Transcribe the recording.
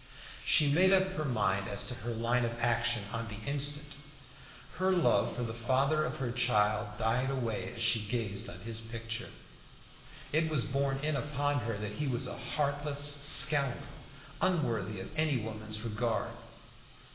She made up her mind as to her line of action on the instant. Her love for the father of her child died away as she gazed on his picture. It was borne in upon her that he was a heartless scoundrel, unworthy of any woman's regard.